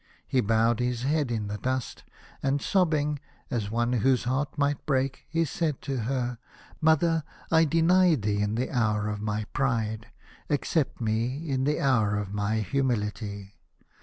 He bowed his head in the dust, and sobbing, as one whose heart might break, he said to her: "Mother, I denied thee in the hour of my pride. Accept me in the hour of my humility.